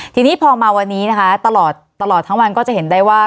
ทีนี้พอมาวันนี้นะคะตลอดทั้งวันก็จะเห็นได้ว่า